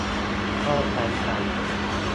ก็ใช้กัน